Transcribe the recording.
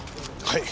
はい。